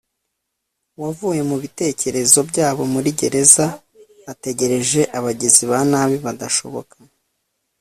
waguye mubitekerezo byabo muri gereza ategereje abagizi ba nabi badashoboka